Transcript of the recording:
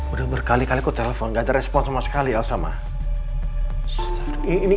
udah berkali kali aku telfon gak ada respons sama sekali